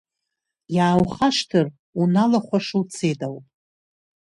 Иааухашҭыр, уналахәаша уцеит ауп.